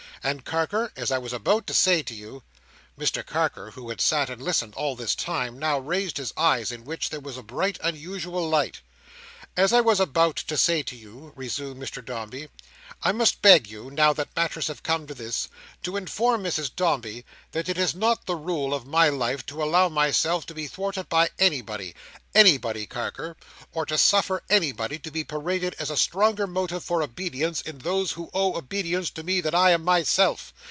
And, Carker, as I was about to say to you—" Mr Carker, who had sat and listened all this time, now raised his eyes, in which there was a bright unusual light. "—As I was about to say to you," resumed Mr Dombey, "I must beg you, now that matters have come to this, to inform Mrs Dombey, that it is not the rule of my life to allow myself to be thwarted by anybody—anybody, Carker—or to suffer anybody to be paraded as a stronger motive for obedience in those who owe obedience to me than I am my self.